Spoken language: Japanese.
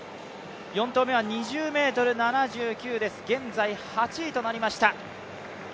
４投目は２０ｍ７９で現在８位となりました。